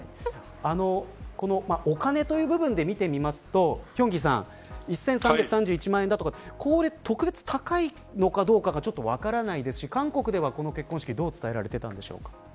お金という部分で見てみますとヒョンギさん１３３１万円だとか特別高いのかどうかがちょっと分からないですし韓国では、この結婚式、どう伝えられていたんでしょうか。